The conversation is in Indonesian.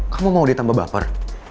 kamu mau dia tambah baper